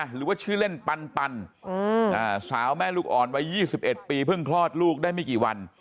หรือว่าชื่อเล่นปันสาวแม่ลูกอ่อนวัย๒๑ปีเพิ่งคลอดลูกได้ไม่กี่วัน